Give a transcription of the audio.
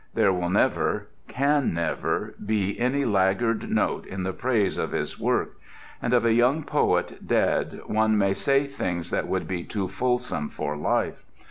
There will never, can never, be any laggard note in the praise of his work. And of a young poet dead one may say things that would be too fulsome for life.